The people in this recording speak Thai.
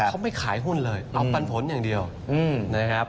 เขาไม่ขายหุ้นเลยเอาปันผลอย่างเดียวนะครับ